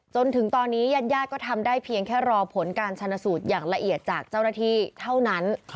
จนถึงตอนนี้ญาติญาติก็ทำได้เพียงแค่รอผลการชนสูตรอย่างละเอียดจากเจ้าหน้าที่เท่านั้น